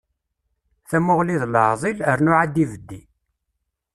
Tamuɣli d leɛḍil, rnu ɛad ibeddi.